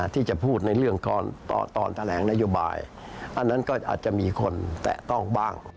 ที่จะพูดในเรื่องตอนแถลงนโยบายอันนั้นก็อาจจะมีคนแตะต้องบ้าง